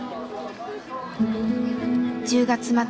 １０月末。